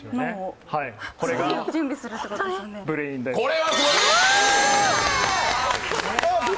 これがブレインダイブ。